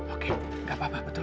oke gak apa apa betul